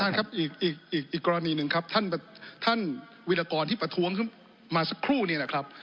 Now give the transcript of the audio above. ท่านครับอีกกรณีหนึ่งครับท่านวิรากรที่ประท้วงขึ้นมาสักครู่นี่แหละครับ